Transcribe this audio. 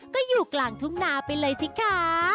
ก็อยู่กลางทุ่งนาไปเลยสิคะ